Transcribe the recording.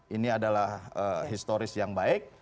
ini adalah historis yang baik